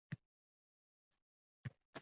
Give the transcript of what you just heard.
Saharlab kimdir sochimni silayapti